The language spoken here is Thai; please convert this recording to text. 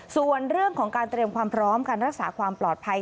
ส่วนเรื่องของการเตรียมความพร้อมการรักษาความปลอดภัย